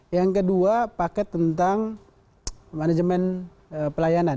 yang kedua paket tentang manajemen pelayanan